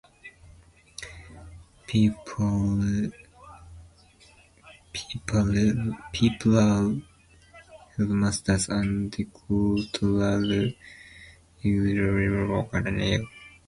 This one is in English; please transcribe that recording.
Peplau held master's and doctoral degrees from Teachers College, Columbia University.